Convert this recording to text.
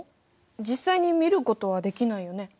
実際に見ることはできないよね？